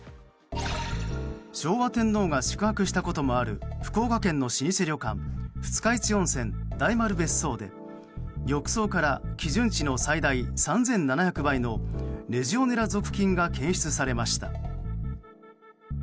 昭和天皇が宿泊したこともある福岡県の老舗旅館二日市温泉・大丸別荘で浴槽から基準値の最大３７００倍のレジオネラ属菌が検出されました。